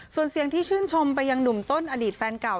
ส่วนเสียงที่ชื่นชมไปยังหนุ่มต้นอดีตแฟนเก่า